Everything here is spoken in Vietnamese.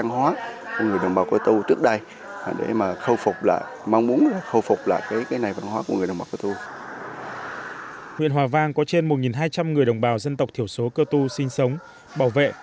huyện hòa vang có trên một hai trăm linh người đồng bào dân tộc thiểu số cơ tu sinh sống bảo vệ